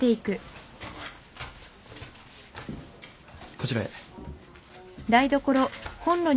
こちらへ。